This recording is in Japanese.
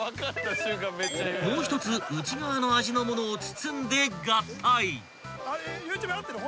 ［もう１つ内側の味の物を包んで合体］